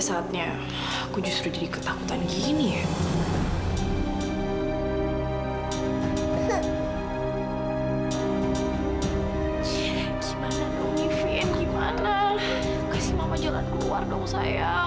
supaya tidak merasa diduga